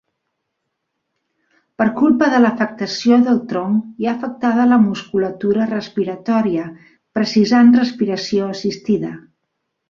Per culpa de l'afectació del tronc hi ha afectada la musculatura respiratòria, precisant respiració assistida.